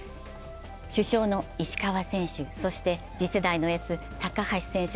主将の石川選手、次世代のエース高橋選手